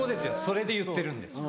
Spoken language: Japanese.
それで言ってるんですよ。